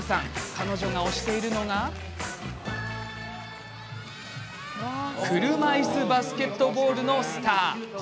彼女が推しているのが車いすバスケットボールのスター。